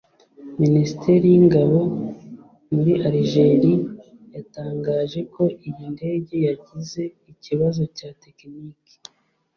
Minisiteri y’Ingabo muri Algerie yatangaje ko iyi ndege yagize ikibazo cya tekiniki